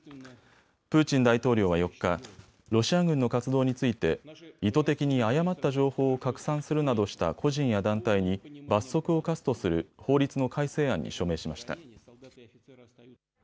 プーチン大統領は４日、ロシア軍の活動について意図的に誤った情報を拡散するなどした個人や団体に罰則を科すとする法律の改正案に署名しました。